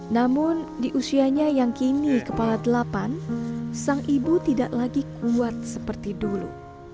namun di usianya yang kini kepala delapan sang ibu tidak lagi kuat seperti dulu